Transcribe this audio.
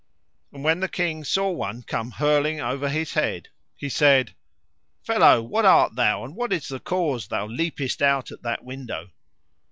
And when the king saw one come hurling over his head he said: Fellow, what art thou, and what is the cause thou leapest out at that window?